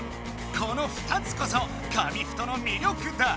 この２つこそ紙フトのみりょくだ。